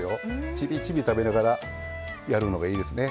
ちびちび食べながらやるのがいいですね。